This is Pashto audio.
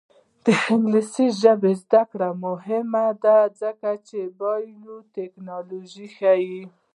د انګلیسي ژبې زده کړه مهمه ده ځکه چې بایوټیکنالوژي ښيي.